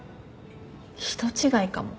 人違いかも。